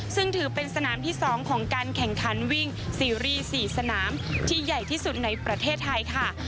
ซึ่งถือเป็นสนามที่๒ของการแข่งขันวิ่งซีรีส์๔สนามที่ใหญ่ที่สุดในประเทศไทยค่ะ